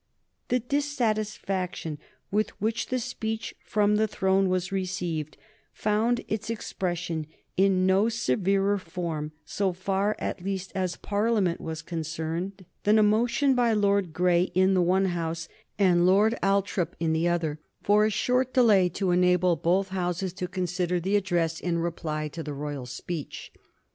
The dissatisfaction with which the speech from the throne was received found its expression in no severer form, so far at least as Parliament was concerned, than a motion by Lord Grey in the one House, and Lord Althorp in the other, for a short delay to enable both Houses to consider the address in reply to the royal speech.